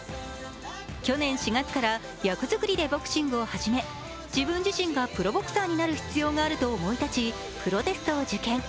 去年４月から役作りでボクシングを始め自分自身がプロボクサーになる必要があると思い立ちプロテストを受験。